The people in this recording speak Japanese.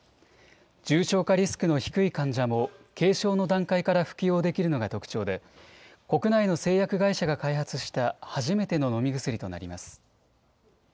重症化リスクの低い患者も、軽症の段階から服用できるのが特長で、国内の製薬会社が開発した初めての飲み薬となります。